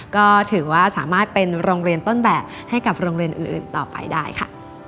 ก็ถือว่าสามารถเป็นโรงเรียนต้นแบบให้กับโรงเรียนอื่นต่อไปได้ค่ะ